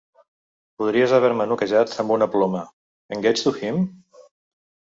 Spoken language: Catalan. Podries haver-me noquejat amb una ploma. "Engaged to him?".